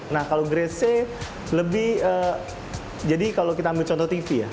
nah kalau grace lebih jadi kalau kita ambil contoh tv ya